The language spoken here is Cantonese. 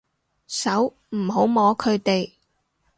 手，唔好摸佢哋